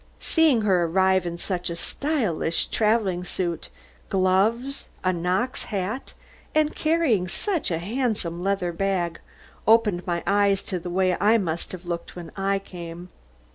Seeing her arrive in such a stylish travelling suit, gloves, and Knox hat, and carrying such a handsome leather bag, opened my eyes to the way I must have looked when I came.